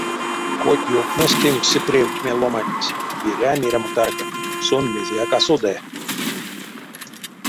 Хоть ёвтнесь тенк се превтеме ломанесь: берянь эрямо таркам, сон мезеяк а соды.